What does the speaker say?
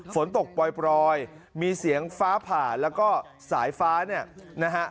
ฝนตกปล่อยมีเสียงฟ้าผ่าแล้วก็สายฟ้าเนี่ยนะฮะ